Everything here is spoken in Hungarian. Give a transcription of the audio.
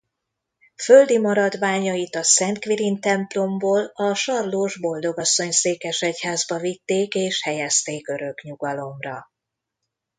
Földi maradványait a Szent Kvirin-templomból a Sarlós Boldogasszony-székesegyházba vitték és helyezték örök nyugalomra.